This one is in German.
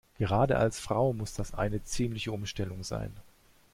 Gerade als Frau muss das eine ziemliche Umstellung sein.